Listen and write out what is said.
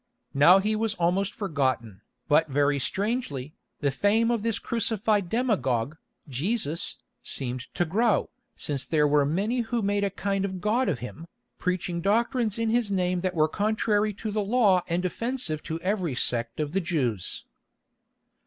Now he was almost forgotten, but very strangely, the fame of this crucified demagogue, Jesus, seemed to grow, since there were many who made a kind of god of him, preaching doctrines in his name that were contrary to the law and offensive to every sect of the Jews.